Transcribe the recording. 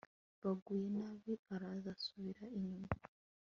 baguye nabi araza asubira inyuma